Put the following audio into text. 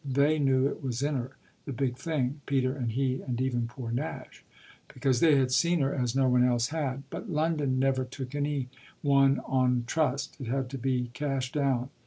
They knew it was in her, the big thing Peter and he and even poor Nash because they had seen her as no one else had; but London never took any one on trust it had to be cash down.